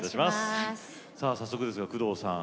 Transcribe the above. さあ早速ですが工藤さん